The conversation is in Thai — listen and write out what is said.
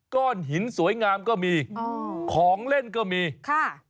ก้อนหินสวยงามก็มีอ๋อของเล่นก็มีค่ะ